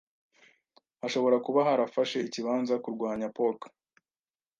hashobora kuba harafashe ikibanza kurwanya polk.